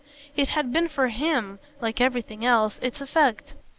It had for him, like everything else, its effect.